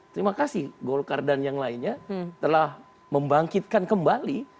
terima kasih bolkardan yang lainnya telah membangkitkan kembali